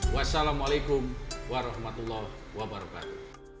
wassalamu'alaikum warahmatullahi wabarakatuh